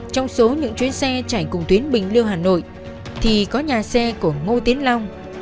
trong số những chuyến xe chạy cùng tuyến bình liêu hà nội thì có nhà xe của ngô tiến long